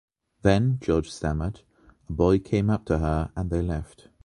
Then...” George stammered, “a boy came up to her and they left.